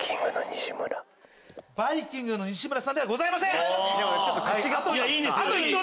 バイきんぐの西村さんではございません！